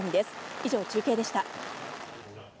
以上、中継でした。